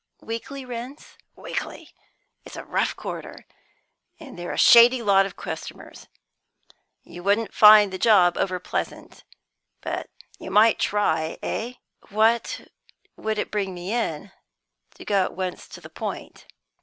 "Weekly rents?" "Weekly. It's a rough quarter, and they're a shady lot of customers. You wouldn't find the job over pleasant, but you might try, eh?" "What would it bring me in, to go at once to the point?"